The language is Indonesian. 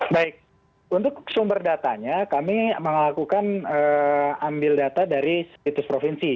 baik untuk sumber datanya kami melakukan ambil data dari situs provinsi